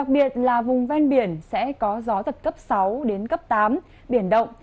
biệt là vùng ven biển sẽ có gió giật cấp sáu đến cấp tám biển động